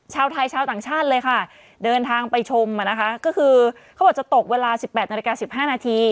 ชาวไทยชาวต่างชาติเลยค่ะเดินทางไปชมนะคะก็คือเขาบอกจะตกเวลา๑๘นาฬิกา๑๕นาที